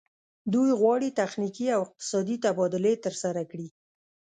دوی غواړي تخنیکي او اقتصادي تبادلې ترسره کړي